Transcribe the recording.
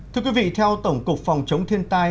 thưa quý vị theo tổng cục phòng chống thiên tai